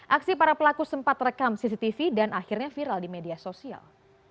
aksi para pelaku sempat rekam cctv dan akhirnya viral di media sosial